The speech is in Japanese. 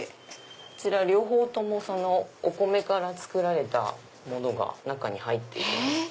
両方ともお米から作られたものが中に入っているんです。